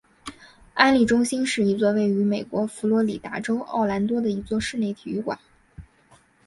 安丽中心是一座位于美国佛罗里达州奥兰多的一座室内体育馆。